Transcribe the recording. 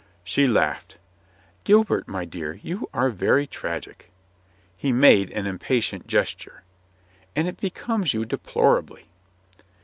She laughed. "Gilbert, my dear, you are very tragic," He made an impatient gesture. "And it becomes you deplorably."